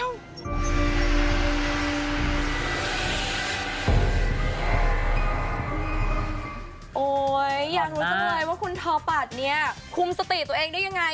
อย่างรู้สึกเลยว่าคุณทอปัสเนี่ยคุมสติตัวเองได้ยังไง